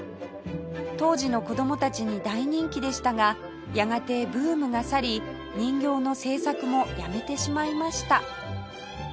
当時の子どもたちに大人気でしたがやがてブームが去り人形の制作もやめてしまいました